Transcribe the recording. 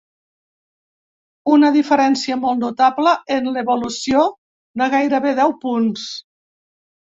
Una diferència molt notable en l’evolució, de gairebé deu punts.